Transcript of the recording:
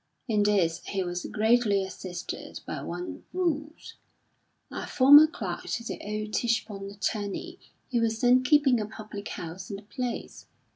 In this he was greatly assisted by one Rous, a former clerk to the old Tichborne attorney, who was then keeping a public house in the place.